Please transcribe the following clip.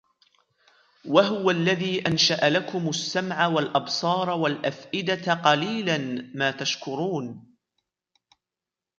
وهو الذي أنشأ لكم السمع والأبصار والأفئدة قليلا ما تشكرون